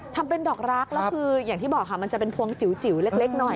ทำเป็นดอกรักแล้วคืออย่างที่บอกค่ะมันจะเป็นพวงจิ๋วเล็กหน่อย